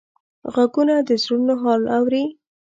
غوږونه د زړونو حال اوري